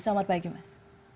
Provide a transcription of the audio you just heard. selamat pagi mas